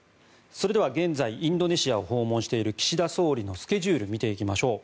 それでは現在インドネシアを訪問している岸田総理のスケジュールを見ていきましょう。